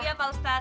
iya pak ustadz